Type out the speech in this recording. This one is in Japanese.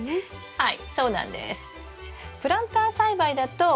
はい。